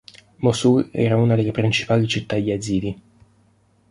Mosul era una delle principali città yazidi.